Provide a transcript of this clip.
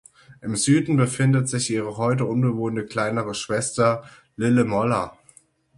Im Süden befindet sich ihre heute unbewohnte kleinere Schwester Lille Molla.